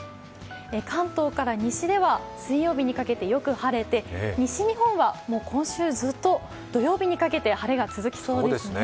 関東から西では水曜日にかけて、よく晴れて西日本は今週ずっと土曜日にかけて晴れが続きそうです。